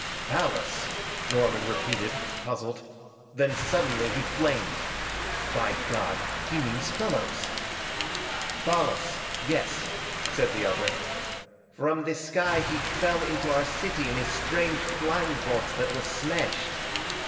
"Fallas " Norman repeated, puzzled; then suddenly he flamed. "By God, he means Fellows!" "Fallas, yes," said the other. "From the sky he fell into our city in a strange flying boat that was smashed.